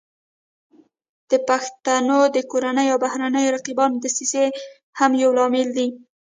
د پښتنو د کورنیو او بهرنیو رقیبانو دسیسې هم یو لامل دی